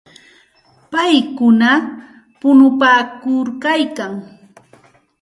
Paykuna punupaakuykalkan.